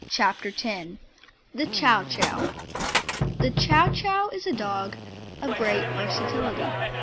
CHAPTER X THE CHOW CHOW The Chow Chow is a dog of great versatility.